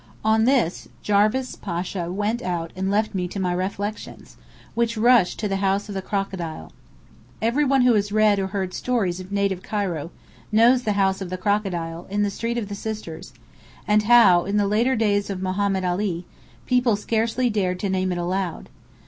On this, Jarvis Pasha went out and left me to my reflections, which rushed to the House of the Crocodile. Every one who has read or heard stories of native Cairo, knows the House of the Crocodile, in the Street of the Sisters, and how, in the later days of Mohammed Ali, people scarcely dared to name it aloud.